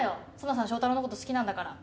紗奈さん正太郎のこと好きなんだから。